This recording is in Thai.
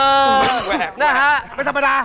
เออนะฮะคุณพี่ไม่สมดาคุณพี่ไม่สมดา